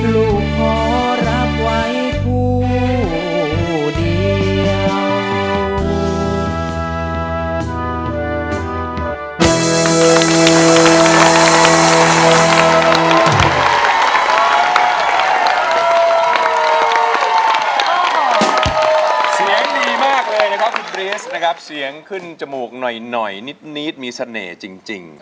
ลุกขอรับไว้ภูมิและเธอร์มก่อนใด